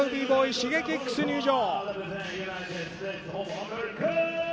Ｓｈｉｇｅｋｉｘ、入場！